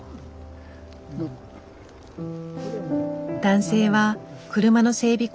男性は車の整備